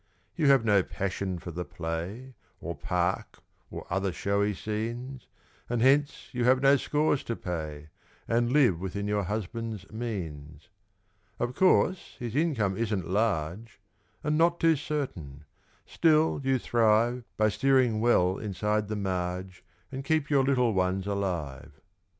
You have no passion for the play, Or park, or other showy scenes; And, hence, you have no scores to pay, And live within your husband's means. Of course, his income isn't large, And not too certain still you thrive By steering well inside the marge, And keep your little ones alive.